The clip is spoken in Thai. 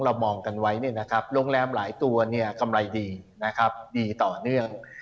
เรามองกันไว้นี่นะครับโรงแรมหลายตัวเนี่ยกำไรดีนะครับดีต่อเนื่อง